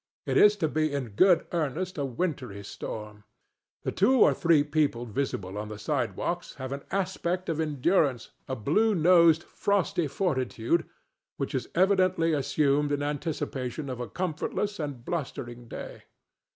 It is to be in good earnest a wintry storm. The two or three people visible on the sidewalks have an aspect of endurance, a blue nosed, frosty fortitude, which is evidently assumed in anticipation of a comfortless and blustering day.